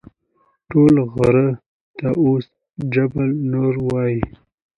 ټول غره ته اوس جبل نور وایي.